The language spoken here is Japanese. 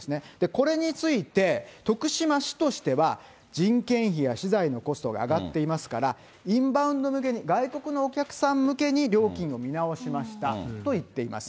これについて、徳島市としては、人件費や資材のコストが上がっていますから、インバウンド向けに、外国のお客さん向けに料金を見直しましたと言っています。